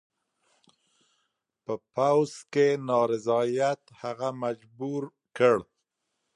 په پوځ کې نارضاییت هغه مجبور کړ.